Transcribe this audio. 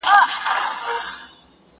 د قاتل لوري ته دوې سترگي نیولي!.